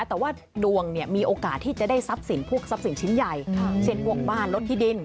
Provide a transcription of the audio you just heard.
แต่ว่าดวงมีโอกาสที่จะได้ทรัพย์สินพวกทรัพย์สินชิ้นใหญ่เช่นพวกบ้านลดที่ดิน